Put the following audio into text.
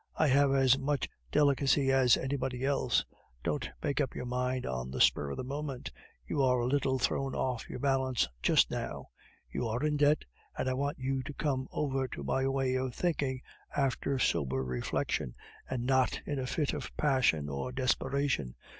I have as much delicacy as anybody else. Don't make up your mind on the spur of the moment; you are a little thrown off your balance just now. You are in debt, and I want you to come over to my way of thinking after sober reflection, and not in a fit of passion or desperation.